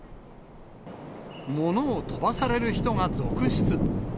物を飛ばされる人が続出。